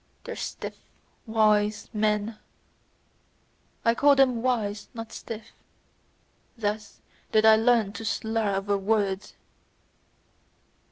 Their stiff wise men: I call them wise, not stiff thus did I learn to slur over words.